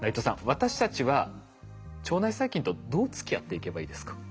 私たちは腸内細菌とどうつきあっていけばいいですか？